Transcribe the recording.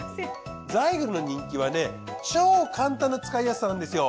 ザイグルの人気は超簡単な使いやすさなんですよ。